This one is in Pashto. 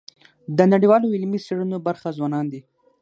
د نړیوالو علمي څېړنو برخه ځوانان دي.